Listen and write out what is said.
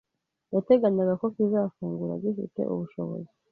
yateganyaga ko kizafungura gifite ubushobozi